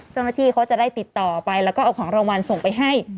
เจ้าหน้าที่เขาจะได้ติดต่อไปแล้วก็เอาของรางวัลส่งไปให้